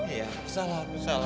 iya aku salah aku salah